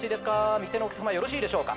右手のお客様よろしいでしょうか？